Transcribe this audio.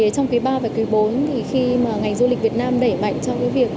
trong kỳ ba và kỳ bốn khi ngành du lịch việt nam đẩy mạnh